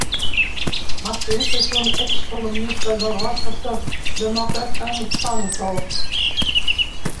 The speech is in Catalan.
Matthews és un ex columnista del "Rochester Democrat and Chronicle".